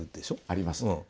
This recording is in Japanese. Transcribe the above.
ありますね。